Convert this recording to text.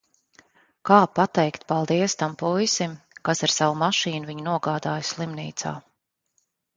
Kā pateikt paldies tam puisim, kas ar savu mašīnu viņu nogādāja slimnīcā...